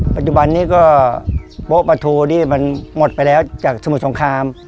ปัจจุบันนี้ก็โป๊ะปลาทูนี่มันหมดไปแล้วจากสมุทรสงคราม